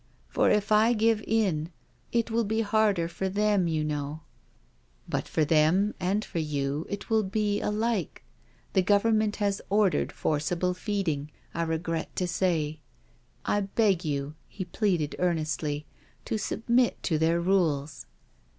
For if I give in, it will be harder for them, you know.*' 286 NO SURRENDER " But for them and for you it will be alike— 4h6 Government has ordered forcible feeding, I regret to say. I beg you/' he pleaded earnestly, " to submit to their rules.